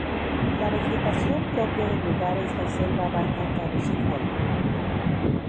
La vegetación propia del lugar es la selva baja caducifolia.